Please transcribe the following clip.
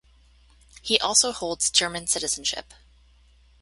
He also holds German citizenship.